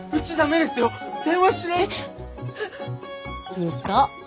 うそ。